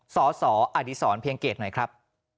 สสอดีศรเพียงเกตหน่อยครับ